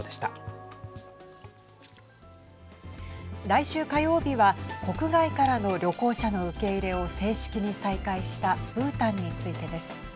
来週火曜日は国外からの旅行者の受け入れを正式に再開したブータンについてです。